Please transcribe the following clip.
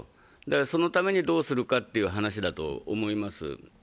そのためにどうするかって話だと思います。